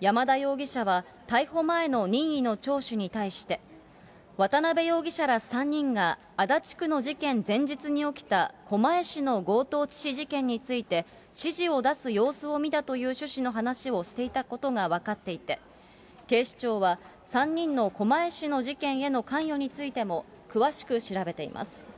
山田容疑者は、逮捕前の任意の聴取に対して、渡辺容疑者ら３人が足立区の事件前日に狛江市の強盗致死事件について、指示を出す様子を見たという趣旨の話をしていたことが分かっていて、警視庁は３人の狛江市の事件への関与についても、詳しく調べています。